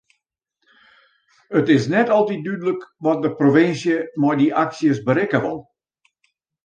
It is net altyd dúdlik wat de provinsje met dy aksjes berikke wol.